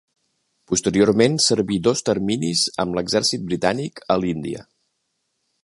Posteriorment serví dos terminis amb l'exèrcit britànic a l'Índia.